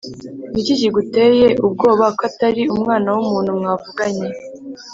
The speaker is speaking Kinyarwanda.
Niki kiguteye ubwoba ko Atari umwana wumuntu mwavuganye